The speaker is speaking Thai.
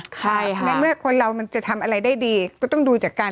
ใช่ค่ะในเมื่อคนเรามันจะทำอะไรได้ดีก็ต้องดูจากการ